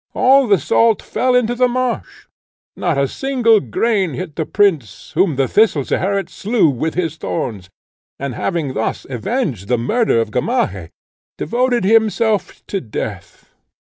All the salt fell into the marsh; not a single grain hit the prince, whom the thistle, Zeherit, slew with his thorns; and, having thus avenged the murder of Gamaheh, devoted himself to death.